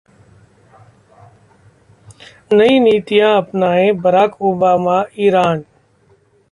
नई नीतियां अपनाएं बराक ओबामा: ईरान